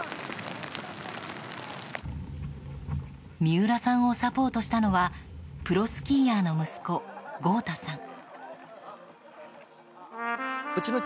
三浦さんをサポートしたのはプロスキーヤーの息子豪太さん。